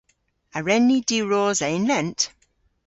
A wren ni diwrosa yn lent?